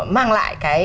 mang lại cái